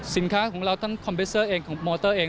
สินค้าของเราทั้งคอมพิวเซอร์เองของมอเตอร์เอง